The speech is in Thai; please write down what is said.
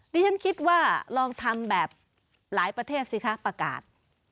ดิฉันคิดว่าลองทำแบบหลายประเทศสิคะประกาศ